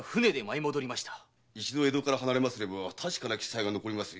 一度江戸から離れれば確かな記載が残ります